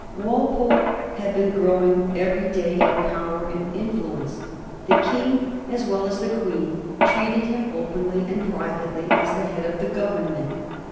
Walpole had been growing every day in power and influence. The King, as well as the Queen, treated him openly and privately as the head of the Government.